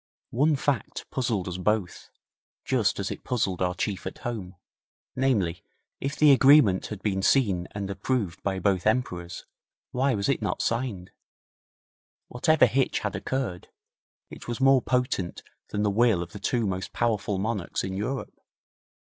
One fact puzzled us both, just as it puzzled our Chief at home namely, if the agreement had been seen and approved by both Emperors, why was it not signed? Whatever hitch had occurred, it was more potent than the will of the two most powerful monarchs in Europe.